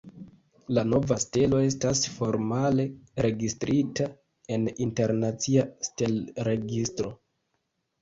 La nova stelo estas formale registrita en internacia stelregistro.